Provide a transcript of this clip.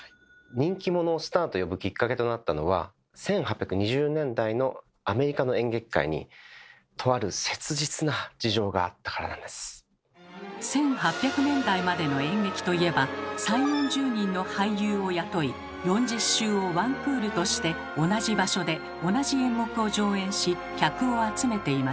人気者をスターと呼ぶきっかけとなったのは１８００年代までの演劇といえば３０４０人の俳優を雇い４０週をワンクールとして同じ場所で同じ演目を上演し客を集めていました。